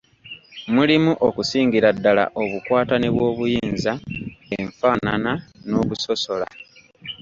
Mulimu okusingira ddala obukwatane bw’obuyinza, enfaanana, n’okusosola.